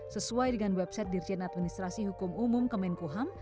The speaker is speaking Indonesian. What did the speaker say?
sesuai dengan website dirjen administrasi hukum umum kemenkuham